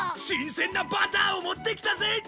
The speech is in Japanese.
新鮮なバターを持ってきたぜ